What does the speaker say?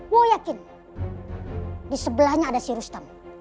gua yakin disebelahnya ada si rustam